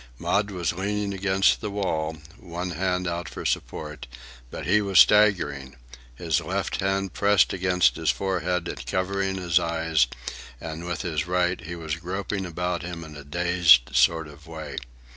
Maud was leaning against the wall, one hand out for support; but he was staggering, his left hand pressed against his forehead and covering his eyes, and with the right he was groping about him in a dazed sort of way.